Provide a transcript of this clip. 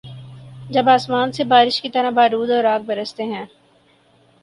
جب آسمان سے بارش کی طرح بارود اور آگ‘ برستے ہیں۔